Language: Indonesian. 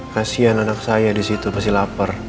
kasian anak saya disitu pasti lapar